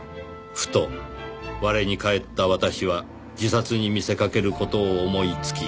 「ふと我に返った私は自殺に見せかける事を思いつき